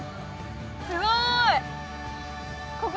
すごい！